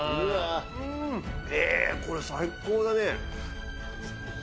これ最高だね。